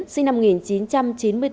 sinh năm một nghìn chín trăm chín mươi bốn